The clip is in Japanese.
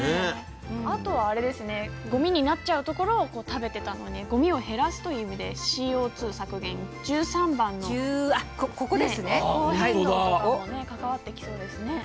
あとはごみになっちゃうところを食べてたのでごみを減らすという意味でＣＯ２削減で、１３番も関わってきそうですね。